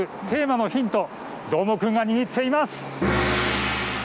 テーマのヒント、どーもくんが握っています。